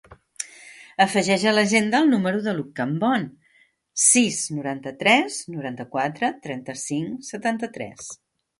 Afegeix a l'agenda el número de l'Hug Cambon: sis, noranta-tres, noranta-quatre, trenta-cinc, setanta-tres.